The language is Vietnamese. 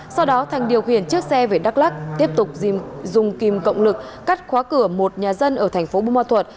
sau đó thành điều khiển chiếc xe về đắk lắc tiếp tục dùng kìm cộng lực cắt khóa cửa một nhà dân ở thành phố bù ma thuật